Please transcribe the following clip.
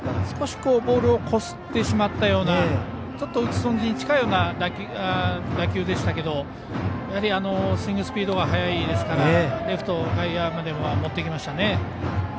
少しボールをこすってしまったようなちょっと打ち損じに近い打球でしたけどスイングスピードが速いですからレフト、外野まで持っていきました。